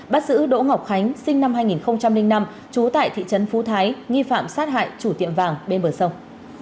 bắt giữ đỗ ngọc khánh sinh năm hai nghìn năm trú tại thị trấn phú thái nghi phạm sát hại chủ tiệm vàng bên bờ sông